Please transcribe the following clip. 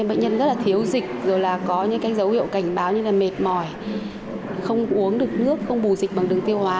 bệnh nhân rất thiếu dịch có dấu hiệu cảnh báo như mệt mỏi không uống được nước không bù dịch bằng đường tiêu hóa